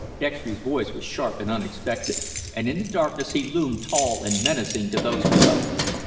Dextry's voice was sharp and unexpected, and in the darkness he loomed tall and menacing to those below.